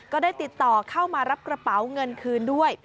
ก็ได้ติดต่อเข้ามารับกระเป๋าเงินคืนด้วย